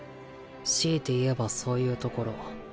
強いて言えばそういうところ。